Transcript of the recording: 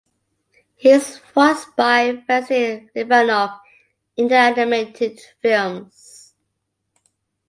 He is voiced by Vasily Livanov in the animated films.